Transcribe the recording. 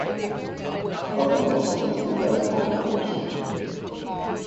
Articles tend to be very average.